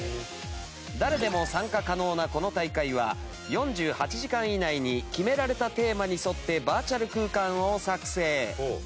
誰でも参加可能なこの大会は４８時間以内に決められたテーマに沿ってバーチャル空間を作成。